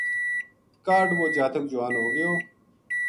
کاہڈ وہ جاتک جوان ہو گیو